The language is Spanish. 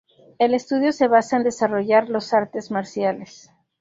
El estudio se basa en desarrollar los artes marciales.